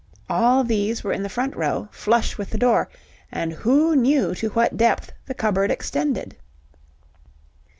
... All these were in the front row, flush with the door, and who knew to what depth the cupboard extended?